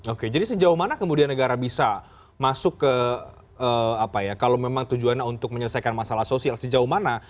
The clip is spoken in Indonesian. oke jadi sejauh mana kemudian negara bisa masuk ke apa ya kalau memang tujuannya untuk menyelesaikan masalah sosial sejauh mana